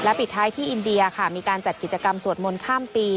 ปิดท้ายที่อินเดียค่ะมีการจัดกิจกรรมสวดมนต์ข้ามปี